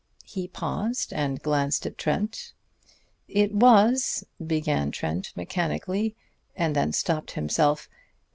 He paused and glanced at Trent. "It was " began Trent mechanically; and then stopped himself.